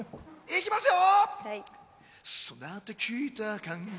行きますよ！